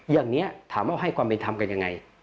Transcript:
อย่างนี้ถามว่าให้ความเป็นธรรมกันยังไง